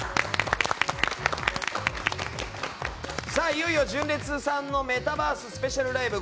いよいよ純烈のメタバーススペシャルライブ。